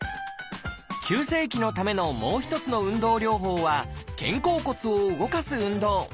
急性期のためのもう一つの運動療法は肩甲骨を動かす運動。